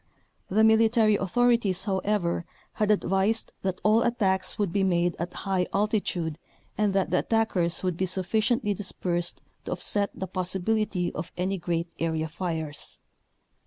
The military authorities, however, had advised that all attacks would be made at high altitude and that the attackers would be suffi ciently dispersed to offset the possibility of any great area fires.